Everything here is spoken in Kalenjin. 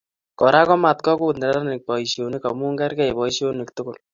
Kora komatkokut nenarik boisionik amu kerkei boisionik tugul